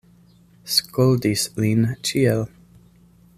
Skoldis lin ĉiel.